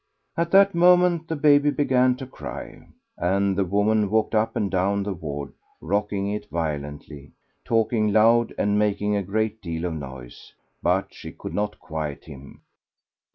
At that moment the baby began to cry, and the woman walked up and down the ward, rocking it violently, talking loud, and making a great deal of noise. But she could not quiet him....